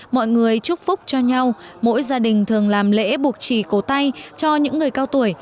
mọi người chúc phúc cho nhau mỗi gia đình thường làm lễ buộc chỉ cổ tay cho những người cao tuổi